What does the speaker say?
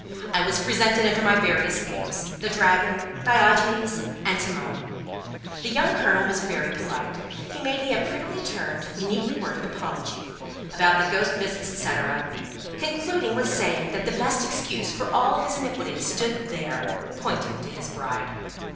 I was presented under my various names: the Dragon, Diogenes, and Timon. The young Colonel was very polite. He made me a prettily turned, neatly worded apology, about the ghost visits, &c., concluding with saying that "the best excuse for all his iniquities stood there!" pointing to his bride.